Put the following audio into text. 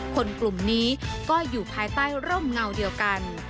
คนกลุ่มนี้ก็อยู่ภายใต้ร่มเงาเดียวกัน